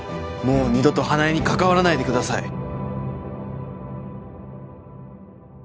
もう二度と花枝にかかわらないでください